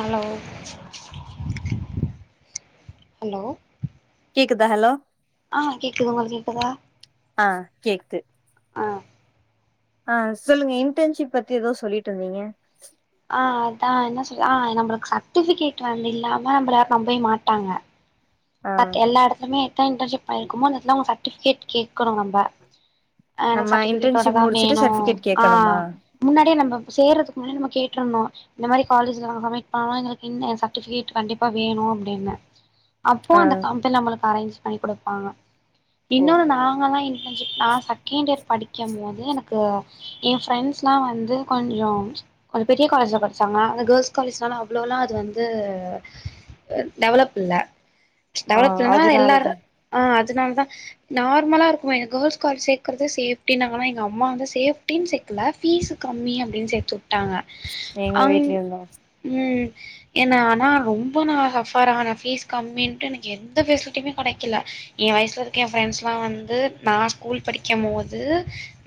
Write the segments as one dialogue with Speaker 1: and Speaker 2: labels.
Speaker 1: Hello
Speaker 2: கேக்குதா
Speaker 1: hello
Speaker 2: குது hello
Speaker 1: ஆஹ் கேக்குது உங்களுக்கு கேக்குதா
Speaker 2: ஆஹ் கேக்குது
Speaker 1: ஆஹ்
Speaker 2: ஆஹ் சொல்லுங்க இன்டர்ன்ஷிப் பத்தி ஏதோ சொல்லிட்டு இருந்தீங்க
Speaker 1: ஆஹ் அதான் என்ன சொல்ல நம்மளுக்கு சர்டிபிகேட் வந்து இல்லாம நம்மல நம்பவே மாட்டாங்க
Speaker 2: ஆ
Speaker 1: பட் எல்லா இடத்துலயுமே எத்தனை இன்ர்ன்ஷிப் பண்ணிருக்கோமோ அந்த எடத்துல ச சட்டுபிகேட் கேட்கணும் நம்ப ஆஹ் எனக்கு
Speaker 2: நம்ம
Speaker 1: சர்ட்டிபிகேட்டோட
Speaker 2: இன்டர்ன்ஷிப்
Speaker 1: தான்
Speaker 2: முடிச்சுட்டு
Speaker 1: வேணும்
Speaker 2: சர்டிபிகேட் கேட்கணுமா
Speaker 1: ஆஹ் முன்னாடியே நம்ம சேறதுக்கு உம் கேட்றனும் இந்த மாரி க காலேஜ்ல சமிட் பண்ணனும் சர்டிபிகேட் கண்டிப்பா வேணும் அப்படின்னு போ
Speaker 2: ஆ
Speaker 1: அந்த காம்பிக்கெல்லாம்முல அரேஞ்ச் பண்ணி குடுப்பாங்க இன்னொரு
Speaker 2: ஓஹோ
Speaker 1: நாங்க எல்லாம் இன்டர்ன்ஷிப் நான் செகண்ட் இயர் படிக்கும் போது எனக் கு என் ஃப்ரெண்ட்ஸ் எல்லாம் வந்து கொஞ்சம் கொஞ்சம் பெரிய காலேஜ்ல படிச்சாங்கா அந்த கேர்ல்ஸ் காலேஜ்லாம் அவ்ளோ எல்லாம் அது வந்து டெவலப் இல்ல
Speaker 2: ஆ
Speaker 1: டெவலப் இல்லனா
Speaker 2: அதனாலதா
Speaker 1: எல்லாரும் ஆஹ் அதனால தான் நார்மல இருக்கும் கேர்ல்ஸ் காலேஜ் சேர்க்கறது சேஃப்டின்னுங்கனா எங்க அம்மா வந்து சேஃப்டின்னு சேர்கல பீஸ் கம்மி அப்படினு சேத்து வுட்டாங்க
Speaker 2: எங்க
Speaker 1: அவிங்
Speaker 2: வீட்லயு தா
Speaker 1: உம் என்ன ஆனா ரொம்ப நான் சஃப்பார் ஆனேன் பீஸ் கம்மின்ட்டு எந்த பெசிலிட்டியுமே கெடைக்கல என் வயசுல இருக்க என் ஃப்ரெண்ட்ஸ் எல்லாம் வந்து நான் ஸ்கூல் படிக்கும் போது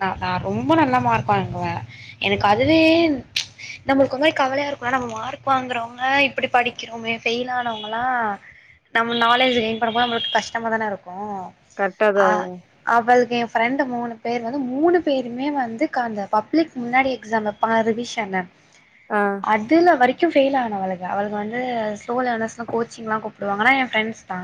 Speaker 1: நான் நான் ரொம்ப நல்லா மார்க் வாங்குவேன் எனக்கு அதுவே நம்மளுக்கு ஒருமாரி கவலையா இருக்கும்ல நம்ம மார்க் வாங்குறவுங்க இப்படி படிக்கிறோமே ஃபெயில் ஆனவங்கல்லாம் நம்ம நாலேஜ்ஜ வின்பண்ணும் போது நம்மளுக்கு கஷ்டமா தானே இருக்கும்
Speaker 2: கரெக்டா தா
Speaker 1: ஆஹ் அ அவள்க என் ஃப்ரெண்டு மூணு பேர் வந்து மூணு பேருமே வந்து அந்த பப்ளிக் முன்னாடி எக்ஸாம் வப்பால்ல ரிவிஷன்
Speaker 2: ஆ
Speaker 1: அதுல வரைக் ச்சு ஃபெயில் ஆன அவளுக்கு அவளுக்கு வந்து ஸ்லோ லேனர்ஸ் கோச்சிங்லா கூப்புடுவாங்க ஏன்னா. ஃப்ரெண்ட்ஸ்தா.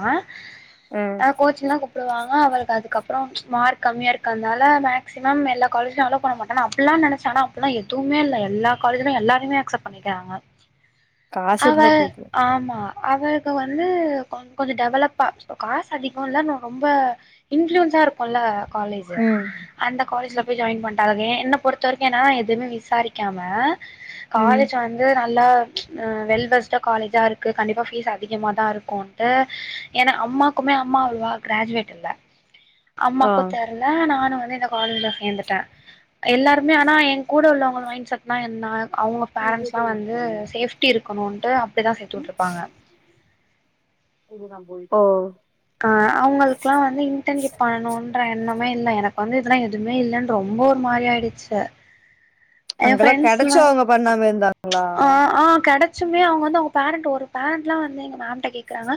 Speaker 1: ஆ கோச்சுனா. கூப்புடுவாங்க அவளுக்கு அதுக்கப்புறோ ம்ச் மார்க் கம்மியா இருக்கிறதுனால மேக்சிமம் எல்லா காலேஜ்லயு அலோ பண்ண மாட்டாங்க அப்படில்லா நெனைச்சானா அப்படி எல்லா எதுவுமே இல்ல எல்லா காலேஜலயும் எல்லாருமே அக்செப்ட் பண்ணிக்கிறாங்க.
Speaker 2: காசு
Speaker 1: அவ
Speaker 2: இருந்தா போது
Speaker 1: ஆமா. அவளுக்கு வந்து. கொஞ் கொஞ்சோ டெவலப்பா ஸோ காசு அதிகோ இல்ல ந ரொம்ப இன்ஃப்ளூயன்ஸாக இருக்கும்ல. காலேஜி
Speaker 2: ம்
Speaker 1: அந்த காலேஜ்ல போய் ஜாயின் பண். டாவே என்ன பொறுத்த வரைக்கு என்னன்னா எதுவுமே விசாரிக்காம.
Speaker 2: ம்
Speaker 1: காலேஜ் வந்து நா. நல்லா ம்ச் வெல் வெஸ்டா காலேஜா இருக்கு கண்டிப்பா பீஸ் அதிகமாதா இருக்குன். ட்டு ஏன்னா அம்மாக்குமே அம்மா [unintelligible] கிராஜுவேட் இல்ல.
Speaker 2: ஆ
Speaker 1: அம்மாக்கு தெர்ல நான். நா வந்து இந்த காலேஜ்ல சேந்துட்ட. எல்லாருமே ஆனா என் கூட உள்ளவங்க மைண்ட்செட்ன்னா என்ன. அவங்க பேரண்ட்ஸ்லாம் வந்து சேஃப்டி இருக். இருக்கனுன்ட்டு அப். அப்படிதா சேர்த்து வுட்டுருப்பாங்க.
Speaker 2: ஓஹோ.
Speaker 1: ஆஹ அவங்களுக்குக்கெல்லா வந்து இன்டர்ன்ஷிப் பண்ணணும்ன்ற எண்ணமே இல்ல. எனக்கு வந்து இதெல்லா எதுவுமே இல்லன்னு ரொம்ப ஒரு மாரி ஆயிடுச்சு. என்
Speaker 2: அங்கெல்லா
Speaker 1: ஃப்ரெண்ட்ஸ்லா
Speaker 2: கெடைச்சவங்க பண்ணாம
Speaker 1: ம்ச்
Speaker 2: இருந்தாங்களா
Speaker 1: ஆஹ ஆஹ கெடச்சுமே அவங்க. வந்து அவங்க பேரண்ட் ஒரு பேரண்ட்லா வந்து எங்க மேம்ட்ட கேக்றாங்க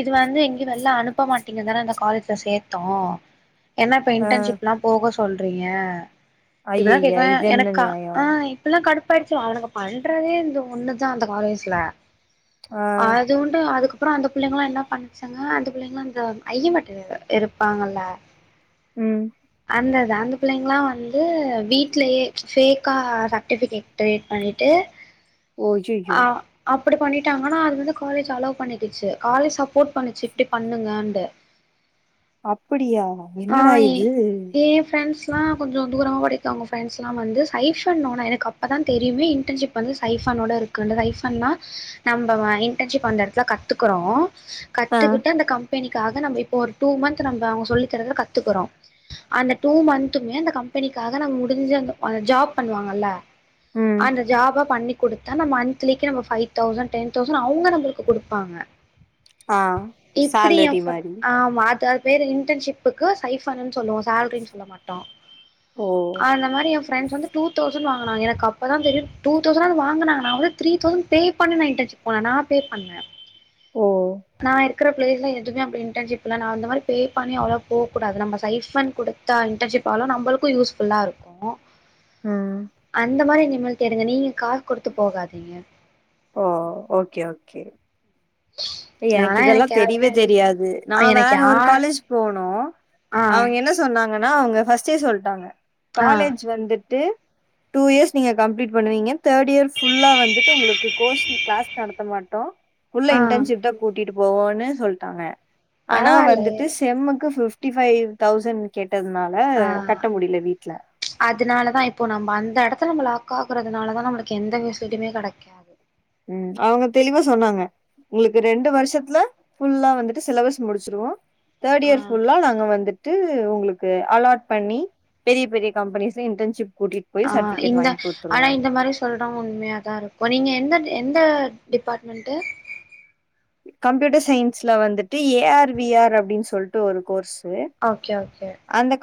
Speaker 1: இது வந்து எங். க வெல்லா அனுப்ப மாட்டீங்கதான இந்த காலேஜ்ல சேத்தோ. என்ன இப்ப
Speaker 2: ஆ
Speaker 1: இடர்ன்ஷிப் எல்லா போக சொல். சொல்றீங்க. இப்பல்லா
Speaker 2: ஐய்யய்ய
Speaker 1: கேக்கவே
Speaker 2: இது என்ன
Speaker 1: எனக்கா
Speaker 2: நியாயோ
Speaker 1: ஆஹ இப்பல்லா கடுப். படிச்சோ அவனுக்கு பண்றதே இந்த ஒண்ணுதா அந்த காலேஜ்ல.
Speaker 2: ஆ
Speaker 1: அது உண்டு அதுக்கு. அப்புறோ அந்த புள்ளைங்களா என்ன பண்ணுச்சு. ங்க அந்த புள்ளைங்களா அந்த. ஐயமட்டனா இருப்பாங்கல.
Speaker 2: ம்
Speaker 1: அந்தது அந்த புள்ளைங்கல்லா வந்து. வீட்லயே பேஃக்கா சர்டிபிகேட் கிரியேட் பண்ணிட்டு.
Speaker 2: ஓ ஐயையோ.
Speaker 1: அப்படி பண்ணிட்டாங்கனா அது வந்து காலேஜ் அலவ் பண்ணிடுச்சு காலேஜ் சப்போர்ட் பண்ணுச்சு இப்ட்டி பண்ணுங்கட்டு
Speaker 2: அப்படியா என்னடா
Speaker 1: ஆஹ்
Speaker 2: இது
Speaker 1: ஏ ஏ ஐ ஃபிரென்ட்ஸ் இப்பலாம் கொஞ்சோ தூரமா படிக்கும் அவங்க ஃப்ரெண்ட்ஸ்லாம் வந்து சைஃபன்னோன்று எனக்கு அப்போ தான் தெரியுமே இன்டர்ன்ஷிப் வந்து சைஃபனோடு இருக்குதுன்னு சைஃபன்னா நம்ம இன்டர்ன்ஷிப் அந்த இடத்துல கத்துக்குறோம்
Speaker 2: ஆ
Speaker 1: கத்துக்கிட்டு அந்த கம் கம்பேனிகாக நம்ம இப்ப ஒரு டூ மந்த் நம்ம அவங்க சொல்லி கத்துக்குறோம் அந்த டூ மந்த்மே கம்பெனிக்காக முடிஞ்ச ஜாப் பண்ணுவாங்கல்ல
Speaker 2: ம்
Speaker 1: அந்த ஜாபா பண்ணி கொடுத்தா நம்ம monthly five thousand ten thousand அவுங்க நம்மளுக்கு கொடுப்பாங்க
Speaker 2: ஆ சேலரி
Speaker 1: எப்படியப்ப
Speaker 2: மாரி
Speaker 1: ஆமா அத வேற இன்டர்ன்ஷிப் க்கு சைஃபனு சொல்லுவ சனு சொல்ல மாட்டோம்
Speaker 2: ஓ
Speaker 1: அந்த மாதிரி ஃப்ரன்ஸ் வந்து டூ தௌசண்ட் வாங்கினாங்க எனக்கு அப்பதான் தெரியுது டூ தௌசண்ட் வாங்குனாங்க நா வந்து த்ரீ தௌசண்ட் பே பண்னுனேன் இன்டர்ஷிப் போனே நா பே பண்ணேன்
Speaker 2: ஓ
Speaker 1: நான் இருக்கிற பிளேஸ்ல எதுவுமே அப்படி இன்ர்ன்ஷிப் இல்ல நான் அந்த மாதிரி பே பண்ணி அவ்வளோ போகூடாது நம்ம சைஃபன் கொடுத்த இன்டர்ன்ஷிப் ஆவோ நம்மளு யூஸ்ஃபுல்லா இருக்கும்
Speaker 2: ம்
Speaker 1: அந்த மாதிரி [unintelligible] காசு கொடுத்து போகாதீங்க
Speaker 2: ஓ ஓக்கே ஓக்கே எனக்கு
Speaker 1: நானா
Speaker 2: இதெல்லாம் தெரியவே
Speaker 1: யாருமே
Speaker 2: தெரியாது நான்
Speaker 1: எனக்கு
Speaker 2: வேற ஒரு
Speaker 1: யார்
Speaker 2: காலேஜ் போனோம்
Speaker 1: ஆ
Speaker 2: அவங்க என்ன சொன்னாங்க ஆனா அவங்க ஃபஸ்ட்டே சொல்லிட்டாங்க
Speaker 1: ஆ
Speaker 2: காலேஜ் வந்துட்டு டூ இயர்ஸ் நீங்க கம்ப்ளீட் பண்ணுவீங்க தேர்ட் இயர் ஃபுல்லா வந்துட்டு உங்களுக்கு கோஸ் கிளாஸ் நடத்த மாட்டோம் ஃபுல்ல
Speaker 1: ஆ
Speaker 2: இன்டன்ஷிப் கூட்டிட்டு போவோம்ன்னு சொல்லிட்டாங்க ஆனா வந்துட்டு
Speaker 1: பரவால்லயே
Speaker 2: செம்முக்கு பிஃப ட்டி ஃபைவ் தௌசண்ட் கெ
Speaker 1: ஆஹ் அதனாலதான் இப்போ நம்ம அந்த இடத்துல நம்ம லாக் காக்குறதுனாலதான் நம்மளுக்கு எந்த விசிட்டுமே கிடைக்காது
Speaker 2: உம் அவங்க தெளிவா சொன்னாங்க உங்களுக்கு ரெண்டு வருஷத்துல ஃபுல்லா வந்துட்டு சிலபஸ் முடிச்சிருவோம் தேர்ட் இயர்
Speaker 1: ஆ
Speaker 2: ஃபுல்லா நாங்க வந்துட்டு உங்களுக்கு அலாட் பண்ணி பெரிய பெரிய கம்பெனிஸ்ல இன்டன்ஷிப்
Speaker 1: ஆஹ் இந்த ஆனா இந்த மாரி சொல்றோம் உண்மையாதான் இருக்கும் நீங்க எந்த எ ந்த டிபார்ட்மெண்ட்
Speaker 2: கம்ப்யூட்டர் சயின்ஸ்ல வந்துட்டு ஏஆர் விஆர் அப்படின்னு சொல்லிட்டு ஒரு கோர்ஸ்
Speaker 1: ஒக்கே ஒக்கே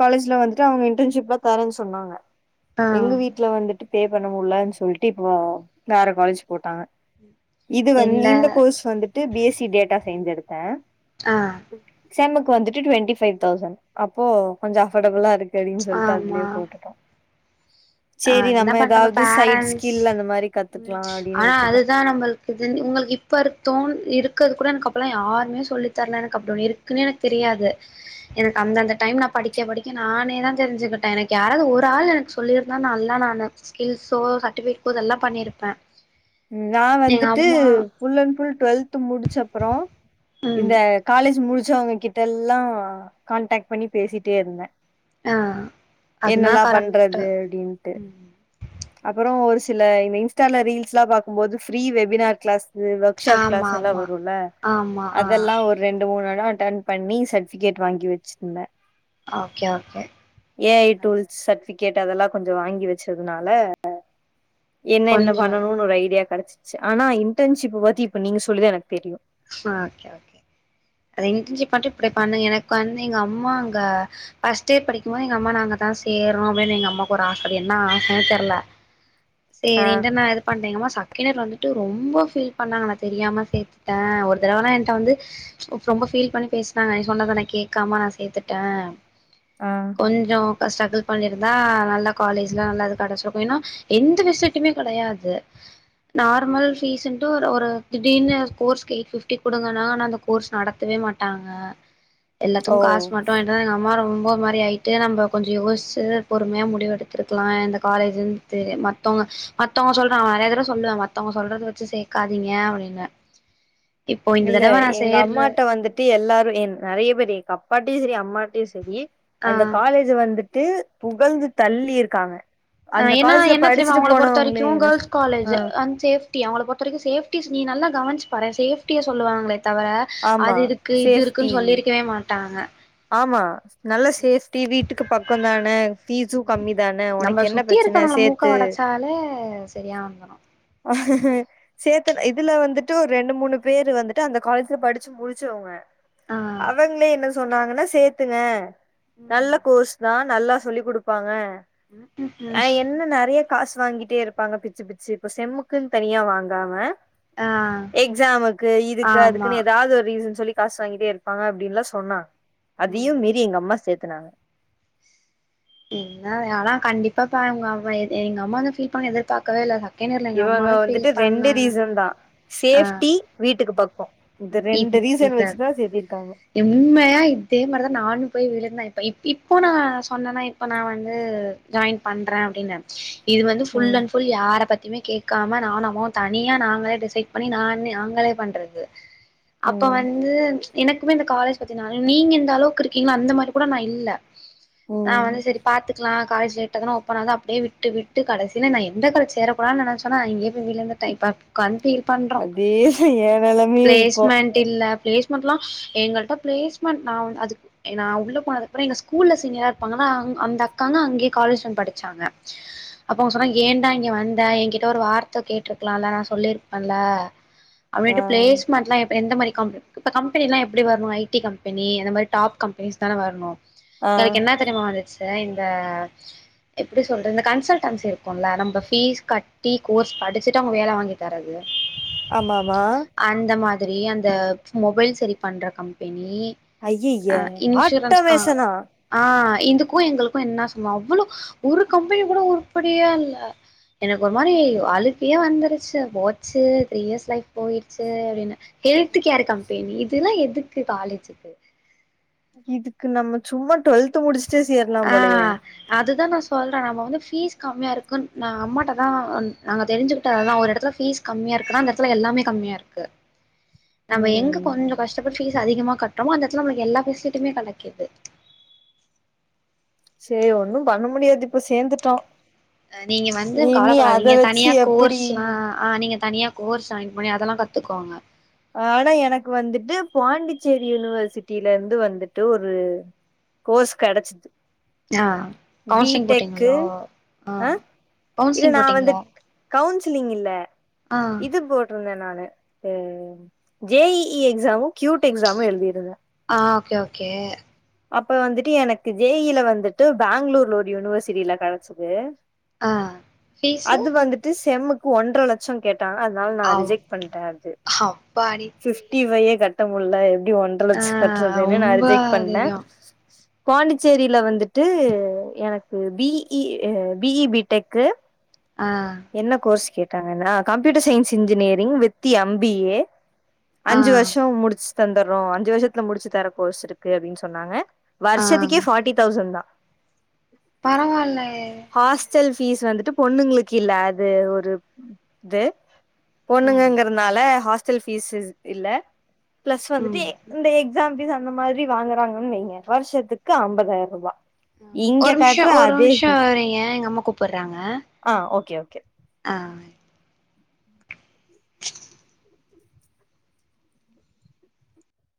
Speaker 2: காலேஜ்ல வந்துட்டு அவங்க இன்டன்ஷிப்புல தரேன்னு சொன்னாங்க
Speaker 1: ஆ
Speaker 2: எங்க வீட்டு்ல வந்துட்டு பே பண்ண முடியலன்னு சொல்லிட்டு இப்போ வேற காலேஜ் போட்டாங்க இது வந்
Speaker 1: இல்ல
Speaker 2: இந்த கோர்ஸ் வந்து பி எஸ் சி டேட்டா எடுத்தேன் அ
Speaker 1: ஆஹ்
Speaker 2: எக்ஸாமுக்கு வந்துட்டு டுவெண்டி ஃபைவ் தௌசண்ட் அப்போ கொஞ்சம் அபர்டபுளா இருக்கு சரின்னு சொல்லிட்டு அதுலயே போட்டுட்டோம்
Speaker 1: அஹ என்ன பண்றம்
Speaker 2: சைட்
Speaker 1: பேரன்ஸ்
Speaker 2: ஸ்கில் அந்த மாரி
Speaker 1: உ
Speaker 2: கத்துக்கலா அப்டின்னு
Speaker 1: ஆனா
Speaker 2: விட்டுட்டே
Speaker 1: அதுதான் நம்மளுக்கு உங்களுக்கு இப்ப ஒருதோனு இருக் கூ எனக்கு அப்பல்லாம் யாருமே சொல்லித்தரல எனக்கு அ இருக்குன்ன எனக்கு தெரியாது எனக்கு அந்தந்த ம் நான் படிக்க படிக்க நானே தான் தெரிஞ்சுக்கிட்டேன் எனக்கு யாராவது ஒரு ஆள் எனக்கு சொல்லியிக் நல்லா நானு ஸ்கில்ஸோ சட்விகோ எல்லாம் பண்ணிருப்பேன்
Speaker 2: நான் வந்துட்டு புல்லன்புல் டுவெல்த் முடிச்ச அப்பறம்
Speaker 1: ம்
Speaker 2: இந்த கால் காலே் முடிச்ச அவங்ககிட்ட எல்லாம் கான்டாக்ட் பண்ணி பேசிட்டே இருந்தேன்
Speaker 1: ஆ அதுனா
Speaker 2: என்னல்லாம்
Speaker 1: கரெக்ட்டு
Speaker 2: பண்றது அப்படின்ட்டு
Speaker 1: ம்
Speaker 2: அப்புறம் ஒரு இல்ல இந்த இன்ஸ்டால ரீல்த்து ஆக்சுவலா பாக்கும் போது ஃப்ரீ வெபினார் கிளாஸ் இதுஒர்க்ஷாப்
Speaker 1: ஆமா
Speaker 2: கிளாஸ்ல்லாம்
Speaker 1: ஆமா
Speaker 2: வரும்ல
Speaker 1: ஆமா ஆ
Speaker 2: அதெல்லாம் ஒரு ரெண்டு மூணு ழான் டன் பண்ணி சர்ட்பிகேட் வாங்கி வச்சிருந்தே
Speaker 1: okay okay
Speaker 2: A I tools சட்விக் கேட்ட அதெல்லா கொஞ்ச வாங்கி வச்சதுனால என்ன ன்ன வ
Speaker 1: கொஞ்சோ
Speaker 2: ன்னுடு ஒரு ஐடியா கெடச்சு ஆனா இன்டர்ன்ஷிப் பத்தி இப்ப நீங்க சொல்லி தான் எனக்கு தெரியும்
Speaker 1: ஓகே ஓகே அது இன்டர்ன்ஷிப் மட்டும் இப்டி பண்ணு எனக்கு வந்து எங்க அம்மா அங்க ப்ஸ்ட் எ படிக்கும் போது எங்க அம்மா நாங்கதான் சேறோன்னோம் அப்படின்னு எங்க அம்மாக்கு ஒரு ஆசை என்ன ஆசைனே தெர்ல
Speaker 2: ஆ
Speaker 1: செரின்ட்டு நான் இது பண்டே எங்கம்மா சக் கிணர்ல வந்துட்டு ரொம்ப ஃபீல் பண்ணாங்க தெரியாம சேர்த் ஹேன் ஒரு தடவ னா என்ட்ட வந்து ரொம்ப ஃபீல் பண்ணி பேசுனாங்க நீ சொன்னத நான் கேக்காம நான் சேர்த்துட்டேன்
Speaker 2: ஆ
Speaker 1: கொஞ்ச கஸ் டகுல் பண்ணிருந்தா நல்லக் காலேஜ்லாம் நல்ல கடைச்சி இருக்கும் இன்னும் எந்த பெசிலிட்டியுமே கெடையாது நார்மல் ஃபீஸ் ன்டு ஒர் ஒரு திடிர்னு கோர்ஸ்க்கு எயிட் பிப்டி குடுங்கனாங்க ஆனா அந்த கோர்ஸ் நடத்தவே மாட்டாங்க.
Speaker 2: ஓ
Speaker 1: எல்லாத்துக்கு காஸ் மட்டு வாங்கிட்டு இருந்தாங்க எங்க அம்மா ரொம். ரோம்ப ஒரு மாரி ஆயிட்டு நம்ம கொஞ்சோ யோசிச்சு பொறுமையா முடிவு எடுத்துருக்கலா இந்த காலேஜுன்னு தெ மத்தவங்க மத்தவங்க சொல்றாங்க நறையா தடவ சொல்லுவ மத்தவங்க சொல்றது வச்சு சேர்க்காதிங்க அப்படினுவ.
Speaker 2: இல்ல எங்க அம்மாட்ட வந்துட்டு எல்லாரு என் நெறைய பேரு எங்கப். அப்பாட்டியும் சேரி அம்மாட்டையும் சேரி. அந்த
Speaker 1: ஆ
Speaker 2: காலேஜ் வந்து. விட்டு புகழ்ந்து தள்ளி இருக்காங்க. அந்த
Speaker 1: ஏன்னா
Speaker 2: காலேஜ்ல
Speaker 1: என்ன தெரியுமா
Speaker 2: படிச்சுட்டு
Speaker 1: அவங்க பொறுத்த
Speaker 2: போனவங்களே
Speaker 1: வரைக்கு
Speaker 2: என்ன
Speaker 1: கேள்ஸ் காலேஜ்
Speaker 2: ஆ
Speaker 1: அ சேப்டியா அவங்கள பொருத்த வரைக்கு சேஃப்டிஸ் நீ நல்லா. கவன்சி பாரே சேப்டியா சொல்லுவாங்களே தவர
Speaker 2: ஆமா
Speaker 1: அது இருக்கு இது இருக்குன்னு சொல்லியிருக்கவே மாட். டாங்க.
Speaker 2: ஆம்மா. நல்ல சேஃப்டி வீட்டுக்கு பக்கதான பீஸும் கம்மிதா உனக்கு
Speaker 1: நம்ம
Speaker 2: என்ன
Speaker 1: சுத்தி
Speaker 2: பிரச்சன
Speaker 1: இருக்கவங்கள
Speaker 2: சேத்து.
Speaker 1: மூக்க ஒடச்சாலே சரியா வந்துரு
Speaker 2: ஹஹேஹ சேத்து இதுல வந்துட். ண்டு ரெண்டு மூணு பேரு வந்துட்டு அந்த காலேஜ்ல படிச்சு முடுச்சவங்க.
Speaker 1: ஆ
Speaker 2: அவங்ளே என்னச். சொன்னாங்கனா. நா சேர்த்துவ.
Speaker 1: ம்
Speaker 2: நல்ல கோர்ஸ்தா. நல்லா சொல்லி குடுப்பாங்க. ஆ என்ன நெறைய
Speaker 1: உஹம்.
Speaker 2: காசு வாங்கிட்டே இருப்பாங்க பிச்சு பிச்சு இப்ப செம்க்குன்னு தனியா வாங்காம.
Speaker 1: ஆ
Speaker 2: எக்ஸாமுக்கு இதுக்கு
Speaker 1: ஆமா
Speaker 2: அதுகுன்னு ஏதாவது ஒரு ரீசன் சொல்லி. காசு வாங்கிட்டே இருப்பாங்க அப்படின்னுலா சொன்னா. அதையு
Speaker 1: ம்
Speaker 2: மீறி எங்க அம்மா சேத். துனாங்க.
Speaker 1: என்ன ஆனா கண்டிப்பா பாருங்க அவ இது எங்க அம்மா வந்து ஃபீல் பண்ணி எதிர்பாக்கவே இல்லடா.
Speaker 2: இவங்க வந்துட்டு ரெண்டு ரீசன்தா சேஃப்டி வீட்டுக்கு பக்கோ. இந்த
Speaker 1: உம்.
Speaker 2: ரெண்டு
Speaker 1: இது
Speaker 2: ரீசன்
Speaker 1: இப்ப
Speaker 2: வச்சுதா சேத்திருக்காங்க
Speaker 1: உன்ம்மையா இதே மாரிதா நானு போய் விள. இருந்த இப்ப இப்போ நா சொன்னனா இப்ப நா வந்து ஜாயின் பண்ற அப்படின்னு. இது வந்து புல்
Speaker 2: ம்
Speaker 1: அண் புல் யார பத். எதையுமே கேக்காம நானு அம்மாவு தனியா நாங்களே டிசைட் பண்ணி நா நாங்களே பண்றது. அப்ப
Speaker 2: ம்
Speaker 1: வந்து ம்ச். எனக்குமே இந்த காலேஜ் பத்தி நீங்க இந்தளவுக்கு இருக்கீங்களா அந்த மாரி கூட நா இல்ல. நா
Speaker 2: ம்
Speaker 1: வந்து சேரி பாத்துக்கலா. காலேஜ் லேட்டதனோ போனாத அப்டியே விட்டு விட்டு கடசியில நான் எந்த காலேஜ் சேர போறேன் நனச்சொன்னா அங்கே விழுந்தட்டே இப்ப கண்டி
Speaker 2: அதே ஏ வேல
Speaker 1: ப்ளேஸ்மெண்ட் இல்ல பளேஸ் மென்டலா எங்களிட்ட பிளேஸ்மெண்ட் நா அது நான் உள்ள போனது அப்புறம் எங்க ஸ்கூல்ல சீனியரா இருப்பாங்கல்ல அந்த அக்காங்க அங்கே காலேஜ் உம் படிச்சாங்க அப்ப அவங்க சொன்னா ஏன்டா இங்க வந்த எங்கிட்ட ஒரு வார்த்த கேட்டுருக்கலாம்ல நா சொல்லிருப்பேன்ல அ
Speaker 2: ஆ
Speaker 1: விடுப் பிளஸ்மட்டெலாம் எப் ப எந்த மாரி இப்ப கம் கம்பெனிலா எப்டி வரனு ஐடி கம்பெனி அந்த மாரி டாப் கம்பெனிஸ் தான வரணும்
Speaker 2: ஆ
Speaker 1: எனக்கு என்ன தெரிம வரு ச்சி இந்த எப்டி சொல்றது இந்த கன்சல்டன்சி இருக்கும்ல நம்ப பீஸ் கட்டி கோர்ஸ் படிச்சுட்டு அவங்க வேல வாங்கி தரது
Speaker 2: ஆம ஆமா
Speaker 1: அந்த மாதிரி அந்த மொபைல் செரி பண்ற கம்பெனி அ
Speaker 2: ஐயிய இந்த ஆட்ட மேசனா
Speaker 1: இதுக்கும் எங்களுக்கும் என்ன சொல்வோ அவ்ளோ ஒரு கம்பெனி கூட ஒருப்படியா இல்ல எனக்கு ஒரு மாரி அலுக்கயே வந்துருச்சு போச்சு த்ரீ இயர்ஸ் லைப் போய் செரின்ன ஹெல்த் கேர் கம்பெனி இதுல்லாம் எதுக்கு காலேஜுக்கு
Speaker 2: இதுக்கு நம்ம சும்மா டுவெல்த் முடிச்
Speaker 1: ஆ அதுதான் நா சொன் சொல்றன் நம்ம வந்து ஃபீஸ் கம்மியா இருக்குன்னு ந அம்மாட்டதான் அ நாங்க தெரிஞ்சுகிட்ட அதான் ஒரு இடத்துல ஃபீஸ் கம்மியா இருக்குன்னா அந்த இடத்துல எல்லாமே கம்மியா இருக்கு நம்ம எங்க
Speaker 2: ம்
Speaker 1: கொஞ்சோ கஷ்டப்பட்டு பீஸ் அதிகமா கட்டுறோமோ அந்த இத்துல நம்மளுக்கு எல்லா பேசிலிட்டியுமே கடக்கிது
Speaker 2: சேரி ஒன்னும் பண்ண முடியாது இப்ப சேர்ந்துட்டோம்
Speaker 1: அ நீங்க வந்து காலப்படாதீங்க தனியா
Speaker 2: எப்டி
Speaker 1: கோர்ஸ் அ ஆ நீங்க தனியா கோர்ஸ் ஜயின் பண்ணி அதெல்லா கத்துக்கோங்க
Speaker 2: ஆனா எனக்கு வந்துட்டு பாண்டிச்சேரி யூனிவர்சிட்டிலந்து வந்துட்டு ஒரு கோர்ஸ் கிடச்சி
Speaker 1: ஆ கவுன்சிலிங்
Speaker 2: பிடெக்கு
Speaker 1: போட்டீங்களோ ஆ
Speaker 2: அ இல்ல
Speaker 1: கவுன்சிலிங்
Speaker 2: நா வந்து
Speaker 1: போட்டீங்களா
Speaker 2: கவுன்சிலிங் இல்ல
Speaker 1: ஆ
Speaker 2: இது போட்டிருந்தேன் நா தா டு ஜே இ இ எக்ஸாம குயூட் எக்ஸாம்மூ எலுதியிருதன்
Speaker 1: கே
Speaker 2: அப்ப வந்துட்டு எனக்கு ஜே இ இ வந்துட்டு பெங்களூர்ல ஒரு யூனிவர்சிட்டில கிடச்சிது
Speaker 1: ஆ ஃபீஸு
Speaker 2: அது வந்துட்டு செம்முக் ஒன்ற லட்சம் கேட் டாங்க அதனால நா
Speaker 1: அவ்
Speaker 2: ரிஜெக்ட் பண்ட்ட
Speaker 1: அப்பாடி
Speaker 2: பிப்டி பைய் கட்டமுள்ளா எப்டி
Speaker 1: ஆ
Speaker 2: ஒன்றலட்சம் கற்றதுனு நா
Speaker 1: ரொம்ப
Speaker 2: ரிஜெக்ட் பண்ண
Speaker 1: அதிகோ
Speaker 2: பாண்டிச்சேரியில வந்துட்டு எனக்கு பிஇ பிஇபிடெக்கு
Speaker 1: ஆ
Speaker 2: என்ன கோர்ஸ் கேட்டு computer science engineering with MBA
Speaker 1: ஆ
Speaker 2: அஞ்சு வருஷம் முடிச்சு தந்தரோம் அஞ்சு வருஷத்துல முடிச்சு தர கோர்ஸ் இருக்கு அப்டின்னு சொன்னாங்க
Speaker 1: ஆ
Speaker 2: வருஷத்துக்கே ஃபார்ட்டி தௌசண்ட் தான்
Speaker 1: பரவாயில்லையே
Speaker 2: பீஸ் வந்துட்டு பொண்ணுங்களுக்கு கில்லாது ஒரு இது
Speaker 1: ம்
Speaker 2: பொண்ணுங்கங்கிறதுனால ஹாஸ் டல் பீஸ் இல்ல பிளஸ் வந்துட்டு
Speaker 1: ம்
Speaker 2: இந்த எக்ஸாம் பீஸ் அந்த மாதிரி வாங்குறாங்கன்னு நீங்க வருஷத்துக்கு ஐம்பதாயிரம் ரூபாய்
Speaker 1: ஒரு நிமிஷம் ஒரு நிமிஷம் வையே எங்க அம்மா கூப்றாங்க
Speaker 2: ஆ ஓகே ஓகே
Speaker 1: ஆ